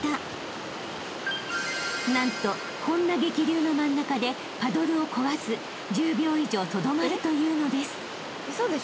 ［何とこんな激流の真ん中でパドルをこがず１０秒以上とどまるというのです］